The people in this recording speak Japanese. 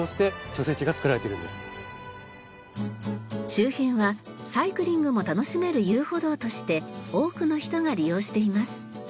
周辺はサイクリングも楽しめる遊歩道として多くの人が利用しています。